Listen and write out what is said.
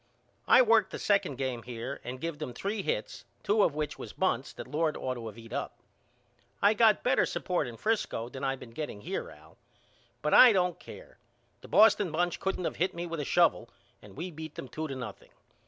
I worked the second game here and give them three hits two of which was bunts that Lord ought to of eat up. I got better support in Frisco than I been getting here Al. But I don't care. The Boston bunch couldn't of hit me with a shovel and we beat them two to nothing.